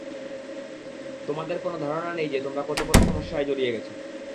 তোমাদের কোন ধারণা নেই যে তোমরা কতবড় সমস্যায় জড়িয়ে গেছো।